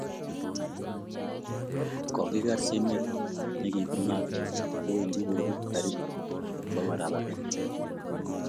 Kokiker emet nekiki mal kowendi koeku karibu nebo paraparet